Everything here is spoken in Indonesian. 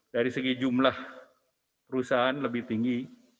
dari segi jumlah perusahaan lebih tinggi